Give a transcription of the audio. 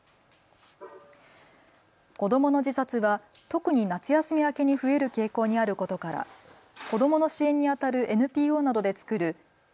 子どもの自殺は特に夏休み明けに増える傾向にあることから子どもの支援にあたるＮＰＯなどで作る＃